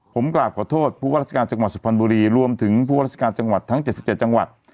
ผมกราบขอโทษผู้ว่าราชการจังหวัดสุพรรณบุรีรวมถึงผู้ราชการจังหวัดทั้ง๗๗จังหวัด